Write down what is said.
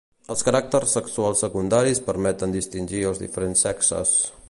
Els caràcters sexuals secundaris permeten distingir els diferents sexes.